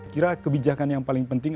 kira kebijakan yang paling penting